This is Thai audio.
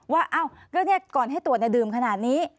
ว่าก็ก่อนให้ตรวจดื่มขนาดนี้